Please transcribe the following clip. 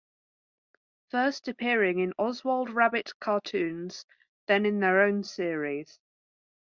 First appearing in Oswald Rabbit cartoons, then in their own series.